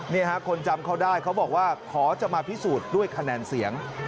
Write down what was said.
นี่ฮะคนจำเขาได้เขาบอกว่าขอจะมาพิสูจน์ด้วยคะแนนเสียง